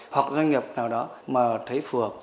hoặc doanh nghiệp nào đó mà thấy phù hợp